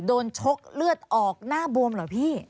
ชกเลือดออกหน้าบวมเหรอพี่